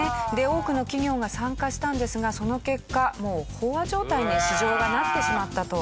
多くの企業が参加したんですがその結果飽和状態に市場がなってしまったと。